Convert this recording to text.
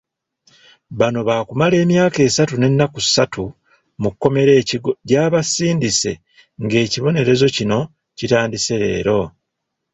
Bano baakumala emyaka esatu n'ennaku satu mu kkomera e Kigo gy'abasindise ng'ekibonerezo kino kitandise leero.